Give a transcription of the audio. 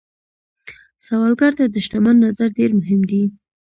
سوالګر ته د شتمن نظر ډېر مهم دی